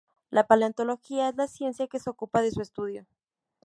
La paleontología es la ciencia que se ocupa de su estudio.